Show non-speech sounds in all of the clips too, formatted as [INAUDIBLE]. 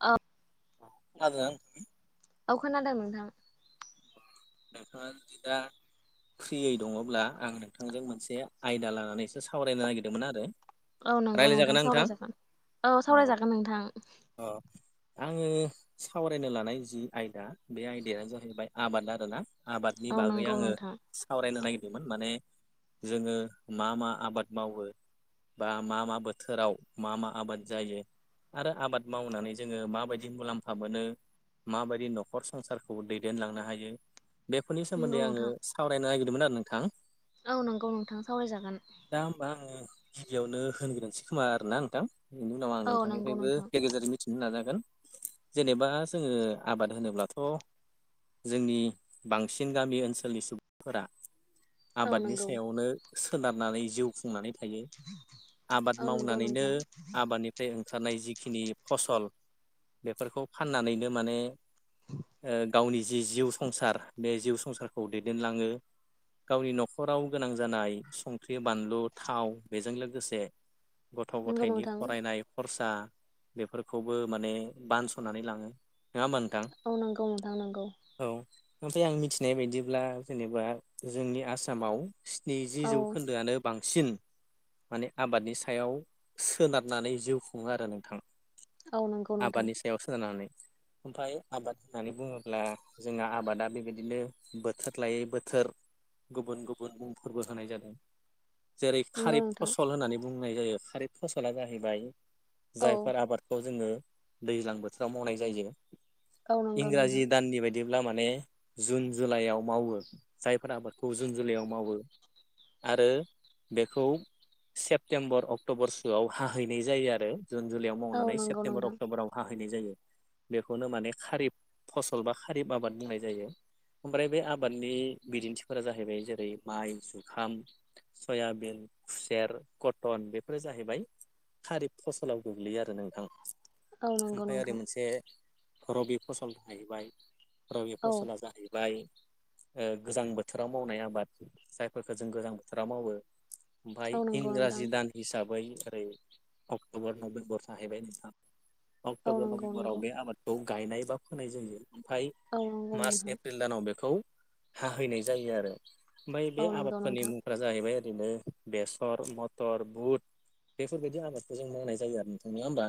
ओ आङो औ खोनादों नोंथां नोंथाङा दा फ्रियै दङब्ला आं नोंथांजों मोनसे आयदा लानानैसो सावरायनो नागिरदोंमोन आरो। औ नंगौ रायज्लायजागोन नोंथां ना सावरायजागोन औ सावरायजागोन नोंथां। ओ आनि सावरायनो लानाय जि आयदा बे आयदाया जाहैबाय आबादारि आरोना आबादनि औ बागै नंगौ आङो नोंथां सावरायनो नागिरदोंमोन माने जोङो मा मा आबाद मावो बा मा मा बोथोराव मा मा आबाद जायो आरो आबाद मावनानै जोङो माबायदि मुलाम्फा मोनो माबायदि न'खर संसारखौ दैदेनलांनो हायो बेफोरनि नंगौ सोमोन्दै आङो नोंथां सावरायनो नागिरदोंमोन आरो नोंथां। औ नंगौ नोंथां सावरायजागोन दा होमबा आङो गिबियावनो होनग्रोनसै खोमा आरोना नोंथां। बिनि उनाव आं औ नंगौ नोंथांनिफ्रायबो नोंथां गेजेर गेजेर मिथिनो नाजागोन जेनेबा जोङो आबाद होनोब्लाथ' जोंनि बांसिन गामि ओनसोलनि सुबुंफोरा औ आबादनि नंगौ सायावनो सोनारनानै जिउ खुंफुंनानै थायो आबाद औ नंगौ मावनानैनो नोंथां आबादनि फ्राय ओंखारनाय जिखिनि फसल बेफोरखौ फाननानैनो माने ओ गावनि जि जिउ संसार बे जिउ संसारखौ दैदेनलाङो। गावनि न'खराव गोनां जानाय संख्रि बानलु थाव बेजों लोगोसे गथ' नंगौ गथायनि नोंथां फरायनाय खरसा बेफोरखौबो माने बानस'नानै लाङो नोङा होमबा नोंथां। औ नंगौ नोंथां नंगौ औ ओमफ्राय आं मिथिनाय बायदिब्ला जेनेबा जोंनि आसामाव स्निजि औ जौखोन्दोआनो बां बांसिन माने आबादनि सायाव सोनारनानै जिउ खुङो आरो नोंथां। औ नंगौ नोंथां आबादनि सायाव सोनारनानै ओमफ्राय आबाद होननानै बुङोब्ला जोंहा आबादा बेबायदिनो बोथोर लायै बोथोर गुबुन गुबुनुं मुंफोरबो होनाय जादों। जेरै नंगौ खारिब नोंथां फसल होननानै बुंनाय जायो खारिब फसला जाहैबाय औ जायफोर आबादखौ जोङो दैज्लां बोथोराव मावनाय जायो। औ नंगौ नोंथां इंराजि दाननि बायदि ब्ला माने जुन जुलाइआव मावो जायफोर आबादखौ जुन जुलाइआव मावो आरो बेखौ सेप्तेम्बर अक्ट'बर सोआव हाहैनाय जायो आरो। जुन जुलाइआव औ मावनानै नंगौ सेप्तेम्बर नोंथां अक्ट'बराव हाहैनाय जायो बेखौनो माने खारिब फसल बा खारिब आबाद बुंनाय जायो ओमफ्राय बे आबादनि बिदिन्थिफोरा जाहैबाय जेरै माइ जुखाम सयाबिन खुसेर कटन बेफोरो जाहैबाय खारिब फसलाव गोग्लैयो आरो नोंथां औ नंगौ ओमफ्राय ओरै नोंथां मोनसे रबि फसल जाहैबाय रबि औ फसला जाहै बाय ओ गोजां बोथोराव मावनाय आबाद जायफोरखौ जों गोजां बोथोराव मावो ओमफ्राय औ नंगौ नोंथां इंराजि दान हिसाबै ओरै अक्ट'बर नभेम्बर थाहैबाय नोंथां औ अक्ट'बर नंगौ नभेम्बराव नंगौ बे आबादखौ गायनाय बा फोनाय जायो ओमफ्राय औ नंगौ मार्च नोंथां एप्रिल दानाव बेखौ हाहैनाय जायो आरो ओमफ्राय बे औ नंगौ आबादफोरनि नोंथां मुं फोरा जाहैबाय ओरैनो बेसर मटर बुट बेफोरबायदि आबादखौ जों मावनाय जायो आरो नोंथां नङा होमबा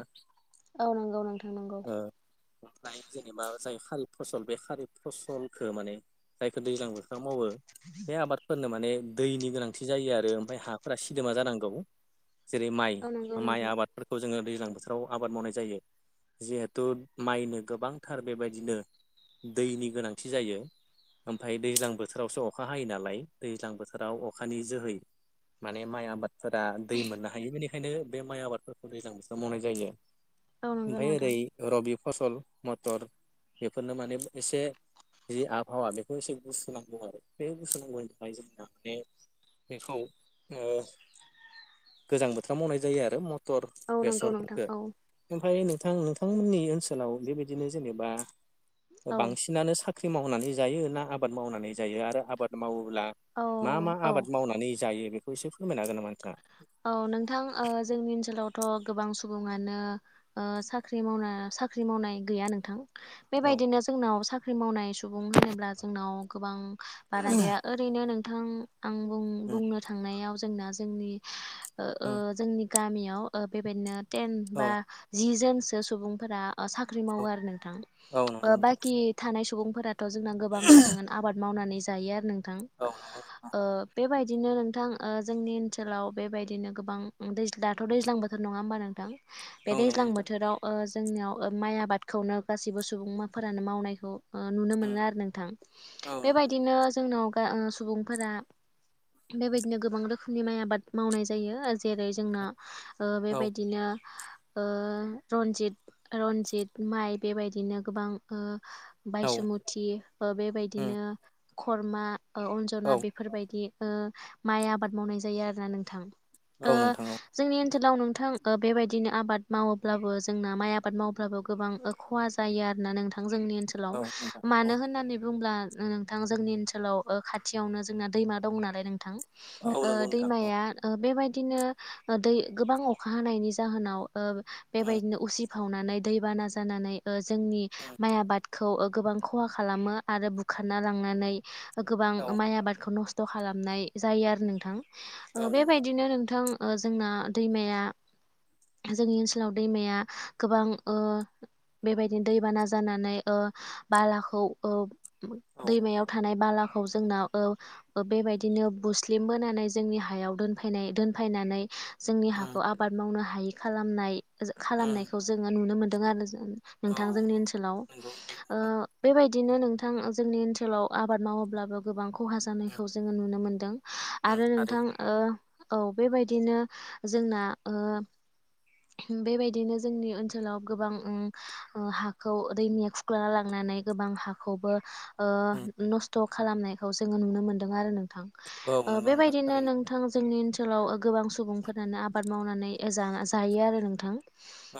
औ नंगौ नोंथां नंगौ ओ ओमफ्राय जेनेबा जाय खारिब फसल बे खारिब फसलखौ माने जायखौ दैज्लां [UNINTELLIGIBLE] मावो बे आबादफोरनो माने दैनि गोनांथि जायो आरो ओमफ्राय हाफोरा सिदोमा जानांगौ जेरै माइ औ नंगौ माइ नोंथां आबाद फोरखौ जोङो दैज्लां बोथोराव आबाद मावनाय जायो जिहेथु माइनो गोबांथार बेबायदिनो दैनि गोनांथि जायो ओमफ्राय दैज्लां बोथोरावसो अखा हायो नालाय दैज्लां बोथोराव अखानि जोहै माने माइ आबादफोरा दै मोननो हायो बेनिखायनो बे माइ आबादफोरखौ दैज्लां बोथोराव मावनाय जायो औ नंगौ ओमफ्राय ओरै नोंथां रबि फसल मटर बेफोरनो माने एसे जि आबहावा बेखौ एसे गुसुुनांगौ आरो बे गुसुनांगौनि थाखाय जोंना माने बेखौ ओ गोजां बोथोराव मावनाय जायो आरो म थर औ नंगौ नोंथां बेसरफोरखौ औ ओमफ्राय नोंथां नोंथांमोननि ओनसोलाव बेबायदिनो जेनेबा बा औ बांसिनानो सा [UNINTELLIGIBLE] साख्रि मावनानै जायो ना आबाद मावनानै जायो आरो आबाद मावोब्ला औ मा मा औ आबाद मावनानै जायो बेखौ एसे फोरमायनो हागोन नामा नोथांङा, औ नोंथां ओ जोंनि ओनसोलावथ' गोबां सुबुङानो, ओ साख्रि मावना साख्रि मावनाय गैया नोंथां बेबायदिनो जोंनाव साख्रि मावनाय सुबुं होनोब्ला जोंनाव गोबां बारा गैया ओरैनो नोंथां आं बुं बुंनो थांनायाव जोंना जोंनि ओ जोंनि गामियाव ओ बेबायदिनो टेन बा जि जोनसो सुबुंफोरा ओ साख्रि मावो आरो नोंथां ओ बाखि थानाय सुबुंफोरा थ जोंना गोबां सुबङानो आबाद मावनानै जायो आरो नोंथां औ नंगौ नोंथां ओ बेबायदिनो नोंथां ओ जोंनि ओनसोलाव बेबायदिनो गोबां दै दाथ' दैज्लां बोथोर बोथोर नङा होमबा नोंथां बे उम दैज्लां बोथोराव ओ जोंनियाव ओ माइ आबादखौनो गासैबो सुबुंफोरानो मावनायखौ ओ नुनो मोनो आरो नोंथां बेबायदि उम बिदिनो जोंनाव सुबुंफोरा बेबायदिनो गोबां रोखोमनि माइ आबाद मावनाय जायो जेरै जोंना ओ औ बेबायदिनो ओ रनजित रनजित माइ बेबायदिनो गोबां ओ औ बायसुमुथि बेबायदिनो खरमा अ अनजना बे बेफोरबायदि ओ माइ आबाद मावनाय जायो आरोना नोंथां ओ नंगौ नोंथां औ जोंनि ओनसोलाव नोंथां ओ बेबायदिनो आबाद मावोब्लाबो जोंना माइ आबाद मावब्लाबो गोबां खहा जायो आरोना नोंथां जोंनि ओनसोलाव नंगौ मानो होननानै बुंब्ला नोंथां जोंनि ओनसोलाव ओ खाथियावनो जोंना दैमा दं नालाय नोंथां औ नंगौ नोंथां औ उम औ नोंथां औ नोंथां औ नंगौ नोंथां औ दाया बेबायदिनो दै गोबां अखा हानायनि जाहोनाव, ओ उम बेबायदिनो उसिफावनानै दैबाना जानानै ओ जोंनि औ माइ आबाद खौ ओ गोबां खहा खालामो आरो बुखारना लांनानै गोबां माइ आबादखौ नस्थ थ' खालामनाय जायो आरो नोंथां औ ओ नंगौ बेबायदिनो नोंथां ओ जोंना दैमाया जोंनि ओनसोलाव दैमाया गोबां ओ बेबायदिनो दैबाना जानानै ओ बालाखौ ओ औ दैमायाव थानाय बालाखौ जोंना औ ओ बेबायदिनो बुस्लिम बोनानै जोंनि हायाव दोनफायनाय दोनफायनानै जोंनि औ हाखौ आबाद मावनो हायि खालामनाय खालामनायखौ जोङो नुनो मोनदों आरो [UNINTELLIGIBLE] नोंथां जोंनि ओनसोलाव नंगौ ओ बेबायदिनो नोंथां जोंनि ओनसोलाव आबाद मावाब्लाबो गोबां खहा जानायखौ जोङो नुनो मोनदों आरो नों ओ थारैनो औ बेबायदिनो जोंना ओ बेबायदिनो जोंनि ओनसोलाव गोबां उ ओ हाखौ दैमाया खुख्लना लांनानै गोबां हाखौबो ओ नस्थ' खालामनायखौ जोङो नुनो मोनदों आरो नोंथां औ नोंगौ नोंथां [UNINTELLIGIBLE] नो थारैनो नोंथां जोंनि ओनसोलाव गोबां सुबुंफोरानो आबाद मावनानै जाना जायो आरो नोंथां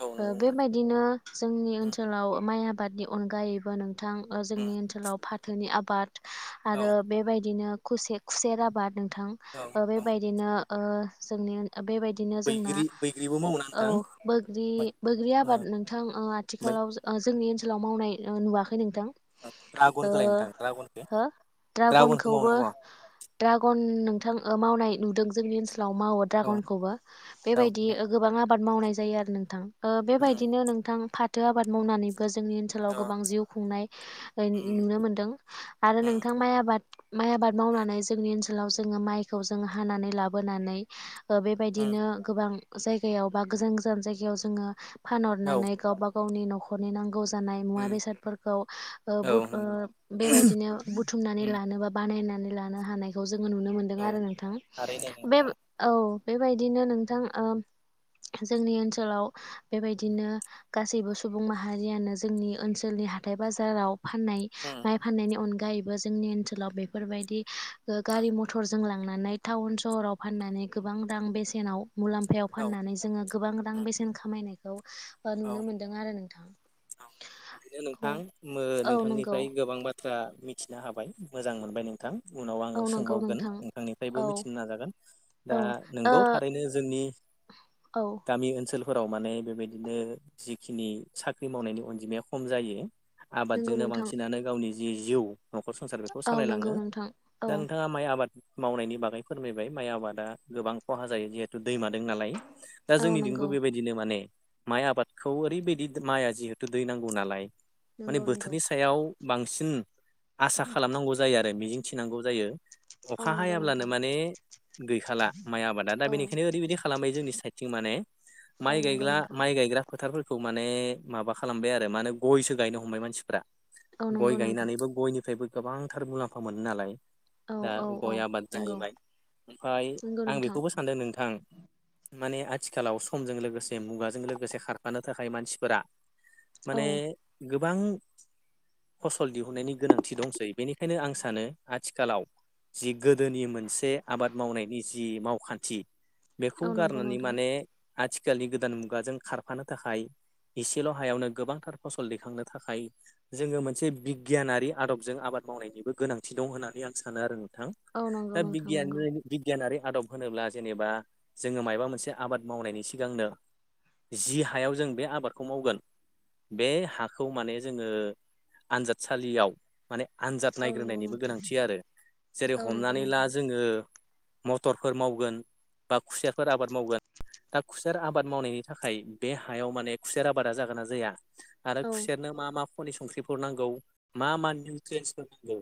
औ नंगौ नोंथां बेबायदिनो जोंनि ओनसोलाव माइ आबादनि अनगायैबो नों थां ओ जोंनि ओनसोलाव फाथोनि आबाद औ आरो बेबायदिनो खुसे खुसेर आबाद नोंथां औ ओ औ बेबायदिनो ओ जोंनि ओन ओ बेबायदिनो जोंना बैग्रि बैग्रिबो मावोना औ नोंथां बोग्रि बोग्रि ओ आबाद नों थां ओ ओमफ्राय आथिखालाव [UNINTELLIGIBLE] ओ जोंनि ओनसोलाव मावनाय नुवाखै नोंथां ओ ड्रागनखौलाय नोंथां ड्रागनखौ हो ड्रागनखौ मावोना ड्रागनखौबो मावा ड्रागन नोंथां ओ मावनाय नुदों जोंनि ओनसोलाव मावो औ ड्रागनखौबो बेबायदि ड्रागनखौ मावो गोबां आबाद मावनाय जायो आरो नोंथां ओ बेबायदिनो नोंथां फाथो आबाद मावनानैबो जोंनि ओनसो सोलाव औ गोबां जिउ खुंनाय नुनो मोनदों आरो नोंथां माइ आबाद माइ आबाद मावनानै जोंनि ओनसोलाव जोङो माइखौ जोङ हानानै लाबोनानै ओ बेबायदिनो गोबां जायगायाव बा गोजान गोजान जायगायाव जोङो औ फानहरनानै गावबा गावनि न'खरनि नांगौ जानाय मुवा बेसादफोरखौ ओ औ बुद ओ बेबायदिनो बुथुमनानै लानो बा बानायनानै लानो हानायखौ जोङो नुनो मोनदों औ आरो नोंथां थारैनो बे नोंथां औ बेबायदिनो नोंथां ओ जोंनि ओनसोलाव बेबायदिनो गासैबो सुबुं माहारियानो जोंनि ओनसोलनि हाथाय बाजाराव फानाय माइ फाननायनि अनगायैबो जोंनि ओनसोलाव बेफोरबायदि ओ गारि मथर जों लांनानै टाउन सहराव फाननानै गोबां रां बेसेनाव मुलाम्फायाव औ फाननानै जोङो गोबां रां औ बेसेन खामायनायखौ ओ नुनो मोन्दों आरो नोंथां थारैनो औ नोंथां मो औ नंगौ नोंथांनिफ्राय गोबां बाथ थ्रा मिथिनो हाबाय मोजां मोनबाय नोंथां उनाव आङो औ नंगौ सोंबावगोन नोंथां नोंथांनिफ्रायबो औ मिथिनो नाजागोन दा औ ओ नोंगौ थारैनो जोंनि औ गामि ओनसोलफोराव माने बेबायदिनो जिखिनि साख्रि मावनायनि अनजिमाया खम जायो नंगौ आबादजोंनो नोंथां बांसिनानो गावनि जि जिउ न'खर संसार बेखौ औ नंगौ सालायलाङो नोंथां औ दा नोंथाङा माइ आबाद मावनायनि बागै फोरमायबाय माइ आबादा गोबां खहा जायो जिहेथु दैमा दों नालाय दा औ जोंनि दिंबो नंगौ बेबायदिनो माने माइ आबादखौ ओरैबायदि माइआ जिहेतु दै नांगौ नालाय माने नंगौ नंगौ बोथोरनि सो सायाव बांसिन आसा खालामनांगौ जायो आरो मिजिं थिनांगौ जायो औ अखा नंगौ हायाब्लानो नोंथां माने गैखाला माइ आबादा दा औ बेनिखायनो ओरैबायदि खालामबाय जोंनि साइदथिं माने औ माइ नंगौ गायग्ला नोंथां माइ गायग्रा फोथारफोरखौ माने माबा खालामबाय आरो मा होनो गयसो गायनो हमबाय मानसिफ्रा औ गय नंगौ नोंथां गायनानैबो गयनिफ्रायबो गोबांथार मुलाम्फा मोनो नालाय। औ दा औ औ गय आबाद नंगौ जाहैबाय ओमफ्राय नंगौ आं नोंथां बेखौबो सानदों नोंथां। माने आथिखालाव समजों लोगोसे मुगाजों लोगोसे खारफानो थाखाय मानसिफोरा औ माने गोबां फसल दिहुननायनि गोनांथि दंसै बेनिखायनो आं सानो आथिखालाव जि गोदोनि मोनसे आबाद मावनायनि जि मावखान्थि। बेखौ औ नंगौ गारनानै नोंथां माने आथिखालनि गोदान मुगाजों खारफानो थाखाय इसेल' हायावनो गोबांथार फसल दैखांनो थाखाय जोङो मोनसे बिगियानारि आदबजों आबाद मावनायनिबो गोनांथि दं होननानै आं सानो आरो नोंथां। औ नंगौ दा नोंथां बिगियान नंगौ बिगियानारि आदब होनोब्ला जेनेबा जोङो मायबा मोनसे आबाद मावनायनि सिगांनो जि हायाव जों बे आबाद खौ मावगोन बे हाखौ माने जोङो आनजादसालियाव माने आनजाद औ नंगौ नायग्रोनायनायनिबो नोंथां गोनांथि आरो जेरै औ नंगौ हमनानै ला नोंथां जोङो मटरफोर मावगोन। बा खुसेरफोर आबाद मावगोन दा खुसेर आबाद मावनायनि थाखाय बे हायाव माने खुसेर आबादा जागोन ना जाया आरो औ खुसेरनो मा मा खनि संख्रिफोर नांगौ मा मा निउट्रियेन्सफोर नांगौ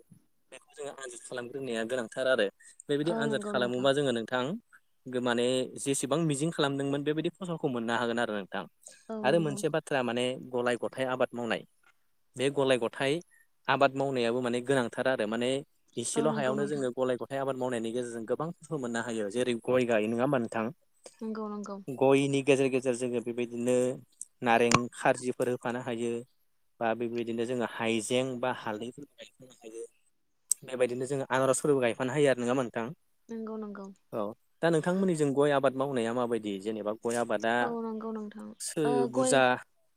बेखौ जोङो आनजाद खालामग्रोनाया गोनांथार आरो बेबायदि औ आनजाद नंगौ नोंथां खालामोबा जोङो नोंथां गो माने जेसेबां मिजिं खालामदोंमोन बेबायदि फसलखौ मोननो हागोन आरो नोंथां औ आरो नंगौ मोनसे बा थ्रा माने गलाय गथाय आबाद मावनाय। बे गलाय गथाइ आबाद मावनायाबो माने गोनांथार आरो माने औ इसेल' नंगौ हायावनो नोंथां जोङो गलाय ग थाय आबाद मावनायनि गेजेरजों गोबां [UNINTELLIGIBLE] मोननो हायो जेरै गय गायो नङा होमबा नोंथां। नंगौ नंगौ। गयनि गेजेर गेजेर जोङो बेबायदिनो नारें खारजिफोर होफानो हायो। बा बेबायदिनो जोङो हाइजें बा हालदै नो हायो बेबायदिनो जोङो आनारसफोरबो गायफानो हायो आरो नङा होमबा नोंथां। नंगौ नंगौ। औ दा नोंथांमोनि जों गय आबाद मावनाया माबायदि जेनेबा गय आबादा औ नंगौ नोंथां सो ओ गय बुरजा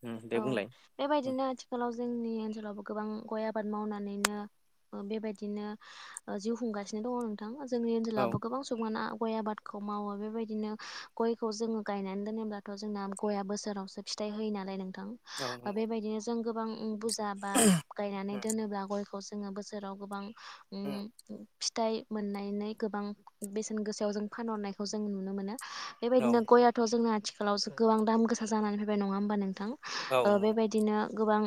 उम दे औ बुंलाय बेबायदिनो आथिखालाव जोंनि ओनसोलावबो गोबां गय आबाद मावनानैनो ओ बेबायदिनो ओ जिउ खुंगासिनो दङ नों थां जोंनि औ ओनसोलावबो गोबां सुबुं आनो गय आबादखौ मावो बेबायदिनो गयखौ जोङो गायनानै दोनोब्लाथ' जोंना गया बोसोरावसो फिथाइ होयो नालाय नोंथां औ ओ नंगौ बेबायदिनो जों गोबां बुरजा बा गायनानै दोनोब्ला गयखौ जोङो बोसोराव गोबां उम फिथाइ मोननानै गोबां बेसेन गोसायाव जों फानहरनायखौ जों नुनो मोनो। बेबायदिनो गयाथ' जोंना आथिखालाव गोबां दाम गोसा जानानै फैबाय नङा होमबा नोंथां औ औ ओ नंगौ बेबाय दिनो गोबां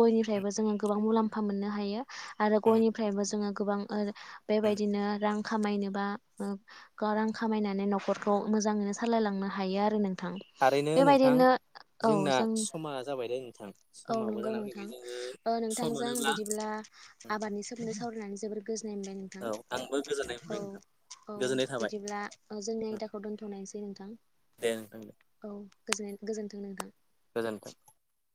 गयनिफ्रायबो जोङो गोबां मुलाम्फा मोननो हायो। आरो गयनिफ्रायबो जोङो गोबां ओ बेबायदिनो रां खामायनोबा गाव रां खामायनानै न'खरखौ मोजाङैनो सालायलांनो हायो आरो नोंथां। थारैनो नोंथां बेबायदिनो औ जोंना जों समा जाबाय दे नोंथां। औ समाबो नंगौ जाना नोंथां फैबाय जोङो ओ सम नोंथांजों मोनोब्ला बिदिब्ला आबादनि सोमोन्दै सावरायनानै जोबोर गोजोननाय मोनबाय नोंथां औ आंबो गोजोननाय मोनबाय नोंथां। औ औ गोजोननाय थाबाय बिदिब्ला जोंनि आयदाखौ दोन्थ'नायसै नोंथां। दे नोंथां दे। औ गोजोन्नाय गोजोन्थों नोंथां। गोजोन्थों।